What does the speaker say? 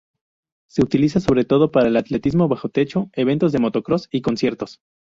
Se utiliza sobre todo para el atletismo bajo techo, eventos de motocross y conciertos.